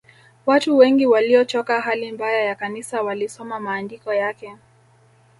Watu wengi waliochoka hali mbaya ya Kanisa walisoma maandiko yake